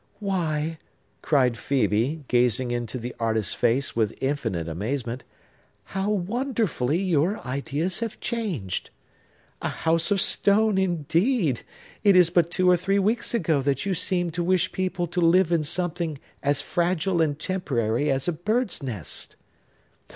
"Why," cried Phœbe, gazing into the artist's face with infinite amazement, "how wonderfully your ideas are changed! A house of stone, indeed! It is but two or three weeks ago that you seemed to wish people to live in something as fragile and temporary as a bird's nest!"